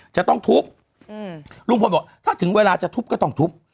จะต้องทุบลุงพลบอกถ้าถึงเวลาจะทุบก็ต้องทุบ